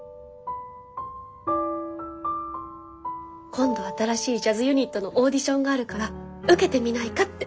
今度新しいジャズユニットのオーディションがあるから受けてみないかって。